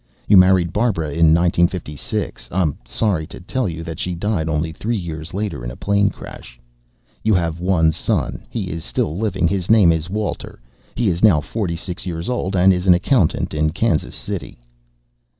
You married Barbara in 1956. I am sorry to tell you that she died only three years later, in a plane crash. You have one son. He is still living; his name is Walter; he is now forty six years old and is an accountant in Kansas City."